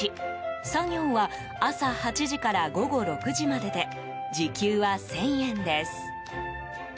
作業は朝８時から午後６時までで時給は１０００円です。